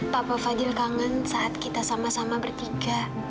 pak fadil kangen saat kita sama sama bertiga